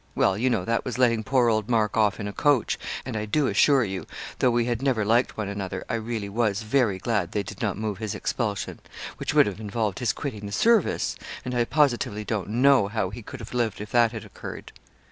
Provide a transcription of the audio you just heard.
Well, you know, that was letting poor old Mark off in a coach; and I do assure you, though we had never liked one another, I really was very glad they did not move his expulsion which would have involved his quitting the service and I positively don't know how he could have lived if that had occurred.'